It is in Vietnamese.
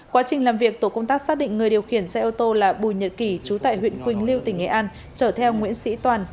quá trình làm việc tổ công tác xác định người điều khiển xe ô tô là bùi nhật kỳ trú tại huyện quỳnh lưu tỉnh nghệ an chở theo nguyễn sĩ toàn